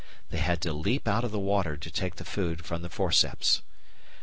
They had to leap out of the water to take the food from the forceps.